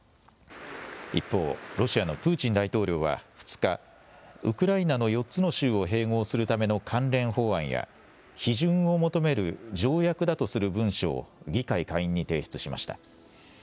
一方、ロシアのプーチン大統領は２日、ウクライナの４つの州を併合するための関連法案や、批准を求める条約だとする文書を議会下院に提出しました。